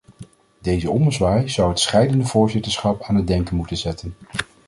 Deze ommezwaai zou het scheidende voorzitterschap aan het denken moeten zetten.